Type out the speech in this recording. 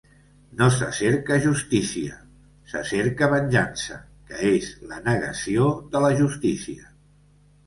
No se cerca justícia, se cerca venjança, que és la negació de la justícia.